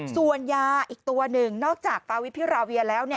ส่วนยาอีกตัวหนึ่งนอกจากฟาวิพิราเวียแล้ว